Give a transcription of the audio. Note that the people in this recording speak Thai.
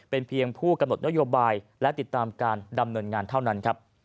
เป็นเพียงผู้กำหนดนโยบายและติดตามการดำเนินงานเท่านั้นครับ